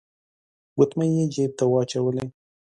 ګوتمۍ يې جيب ته واچولې.